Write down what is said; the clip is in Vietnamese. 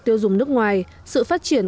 tiêu dùng nước ngoài sự phát triển